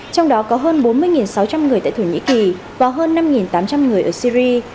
trong đó có hơn bốn mươi sáu trăm linh người tại thổ nhĩ kỳ và hơn năm tám trăm linh người ở syri